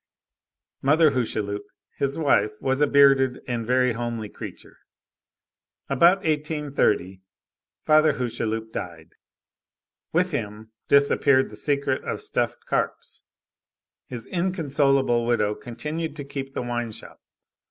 Mother Hucheloup, his wife, was a bearded and a very homely creature. About 1830, Father Hucheloup died. With him disappeared the secret of stuffed carps. His inconsolable widow continued to keep the wine shop.